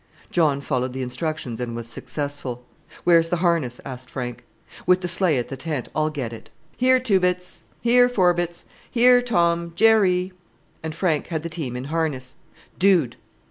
John followed the instructions and was successful. "Where's the harness?" asked Frank. "With the sleigh at the tent. I'll get it." "Here, Two Bits; here, Four Bits; here, Tom, Jerry," and Frank had the team in harness. "Dude!"